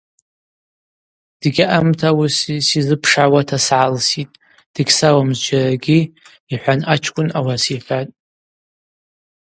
Дгьаъамта ауи сизыпшгӏауата сгӏалситӏ, дыгьсауам зджьарагьи,—йхӏван ачкӏвын ауаса йхӏватӏ.